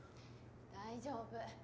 ・大丈夫。